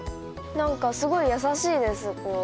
何かすごい優しいです。